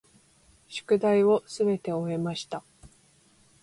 宿題をすべて終えました。